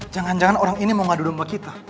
jangan jangan orang ini mau ngadu domba kita